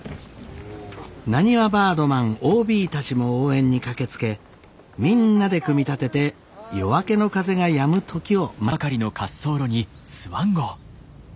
なにわバードマンＯＢたちも応援に駆けつけみんなで組み立てて夜明けの風がやむ時を待つのです。